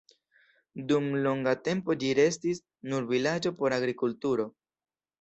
Dum longa tempo ĝi restis nur vilaĝo por agrikulturo.